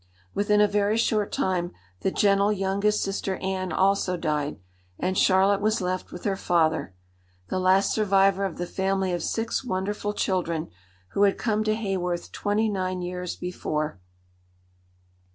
Within a very short time the gentle youngest sister Anne also died, and Charlotte was left with her father, the last survivor of the family of six wonderful children who had come to Haworth twenty nine years before.